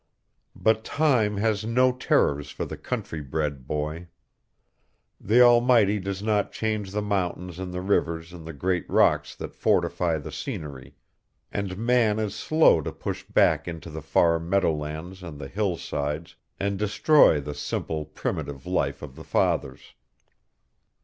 But time has no terrors for the country bred boy. The Almighty does not change the mountains and the rivers and the great rocks that fortify the scenery, and man is slow to push back into the far meadowlands and the hillsides, and destroy the simple, primitive life of the fathers.